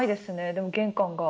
でも玄関が。